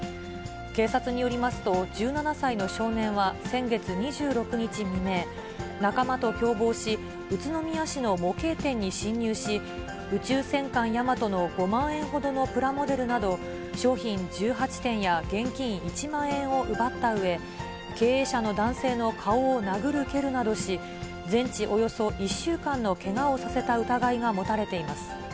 警察によりますと、１７歳の少年は先月２６日未明、仲間と共謀し、宇都宮市の模型店に侵入し、宇宙戦艦ヤマトの５万円ほどのプラモデルなど、商品１８点や現金１万円を奪ったうえ、経営者の男性の顔を殴る蹴るなどし、全治およそ１週間のけがをさせた疑いが持たれています。